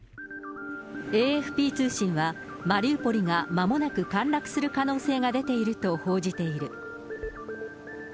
ＡＦＰ通信は、マリウポリがまもなく陥落する可能性が出ていると報じている。